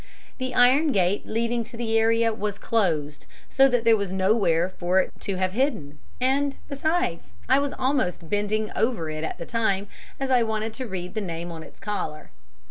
"The iron gate leading to the area was closed, so that there was nowhere for it to have hidden, and, besides, I was almost bending over it at the time, as I wanted to read the name on its collar.